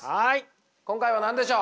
今回は何でしょう？